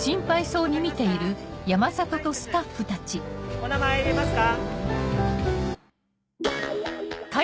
お名前言えますか？